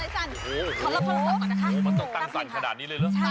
ตอนนึงนะคะถ่ายการอยู่ค่ะ